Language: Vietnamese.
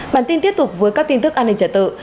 bản tin tiếp tục với các tin tức an ninh trật tự